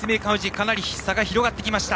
かなり差が広がりました。